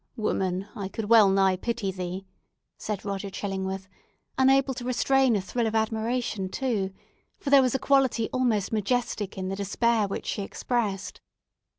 "Woman, I could well nigh pity thee," said Roger Chillingworth, unable to restrain a thrill of admiration too, for there was a quality almost majestic in the despair which she expressed.